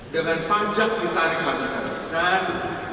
dengan pajak ditarik habis habisan